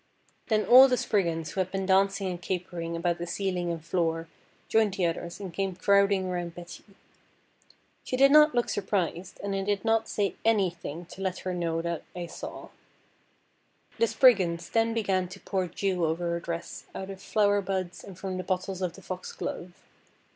Then all the Spriggans who had been dancing and capering about the ceiling and floor joined the others and came crowding around Betty. She did not look surprised, and I did not say anything to let her know that I saw. The Spriggans then began to pour dew over her dress out of flower buds and from the bottles of the Foxglove.